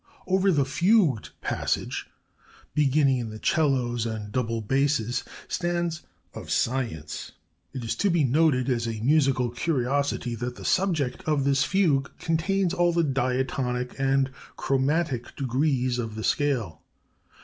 "Over the fugued passage, beginning in the 'cellos and double basses, stands, 'OF SCIENCE.' It is to be noted, as a musical curiosity, that the subject of this fugue contains all the diatonic and chromatic degrees of the scale....